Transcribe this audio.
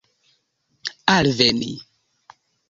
alveni